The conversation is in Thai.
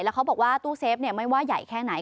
เขาบอกว่าตู้เซฟไม่ว่าใหญ่แค่ไหน